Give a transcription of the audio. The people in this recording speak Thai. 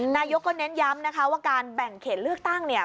นายกก็เน้นย้ำนะคะว่าการแบ่งเขตเลือกตั้งเนี่ย